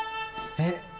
えっ？